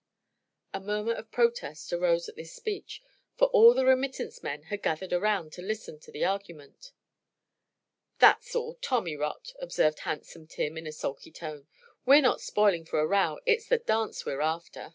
A murmur of protest arose at this speech, for all the remittance men had gathered around to listen to the argument. "That's all tommy rot," observed Handsome Tim, in a sulky tone. "We're not spoiling for a row; it's the dance we're after."